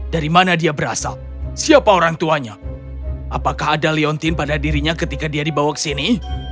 dari mana dia berasal siapa orang tuanya apakah ada leontin pada dirinya ketika dia dibawa ke sini